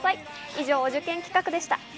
以上、お受験企画でした。